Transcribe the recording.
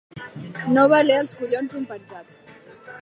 No valer els collons d'un penjat.